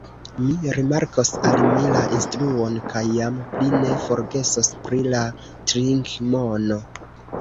Mi rimarkos al mi la instruon kaj jam pli ne forgesos pri la trinkmono.